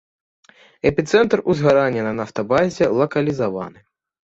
Эпіцэнтр узгарання на нафтабазе лакалізаваны.